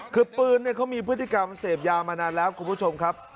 คือปืนเขามีพฤติกรรมเสพยามานานแล้วคุณผู้ชมครับ